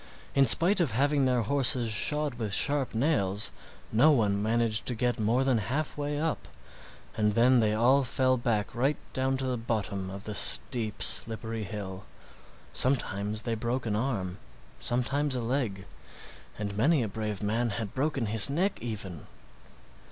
In spite of having their horses shod with sharp nails, no one managed to get more than halfway up, and then they all fell back right down to the bottom of the steep, slippery hill. Sometimes they broke an arm, sometimes a leg, and many a brave man had broken his neck even.